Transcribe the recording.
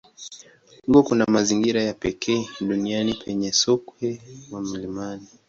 Huko kuna mazingira ya pekee duniani yenye sokwe wa milimani.